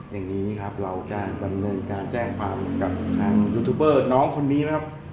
อย่างนี้ครับเราจะดำเนินการแจ้งความกับทางยูทูบเบอร์น้องคนนี้ไหมครับ